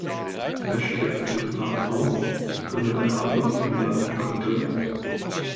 Er streckte den Arm aus, damit der Adler auf ihm landen konnte.